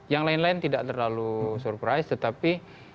yang lain lain tidak terlalu surprise tetapi